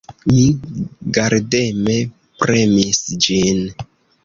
Mi gardeme premis ĝin.